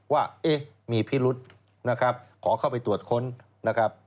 ว่าเอ๊ะมีพิรุษนะครับขอเข้าไปตรวจค้นนะครับ